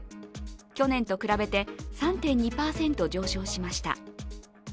去年と比べて、３．２％上昇しました。